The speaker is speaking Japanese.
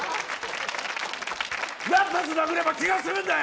何発殴れば気が済むんだよ！